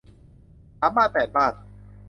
สามบ้านแปดบ้าน